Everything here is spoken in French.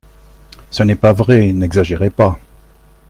Ce n’est pas vrai, n’exagérez pas